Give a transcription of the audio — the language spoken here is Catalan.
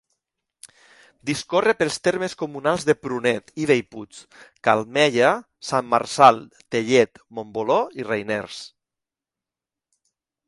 Discorre pels termes comunals de Prunet i Bellpuig, Calmella, Sant Marçal, Tellet, Montboló i Reiners.